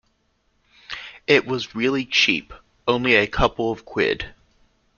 It was really cheap! Only a couple of quid!